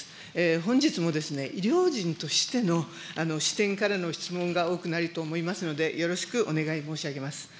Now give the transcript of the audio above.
本日も、医療人としての視点からの質問が多くなると思いますので、よろしくお願い申し上げます。